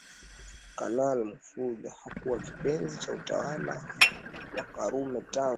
Kanali Mahfoudh hakuwa kipenzi cha utawala wa Karume tangu